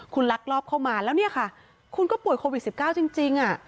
คุณลักลอบเข้ามาแล้วเนี่ยค่ะคุณก็ป่วยโควิด๑๙จริง